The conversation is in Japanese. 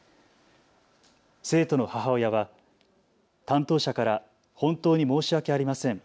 生徒の母親は担当者から本当に申し訳ありません。